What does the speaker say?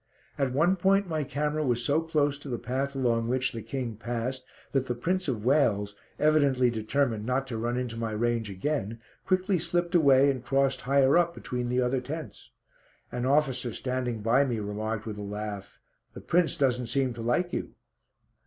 At one point my camera was so close to the path along which the King passed, that the Prince of Wales, evidently determined not to run into my range again, quickly slipped away and crossed higher up between the other tents. An officer standing by me remarked with a laugh, "The Prince doesn't seem to like you."